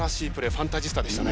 ファンタジスタでしたね。